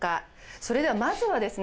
それではまずはですね